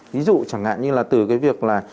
ví dụ chẳng hạn như là từ cái việc là